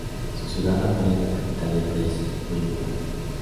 Su ciudad natal es la capital del país, Buyumbura.